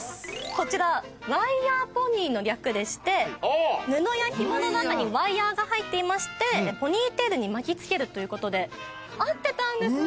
こちらワイヤーポニーの略でして布やひもの中にワイヤーが入っていましてポニーテールに巻きつけるという事で合ってたんです。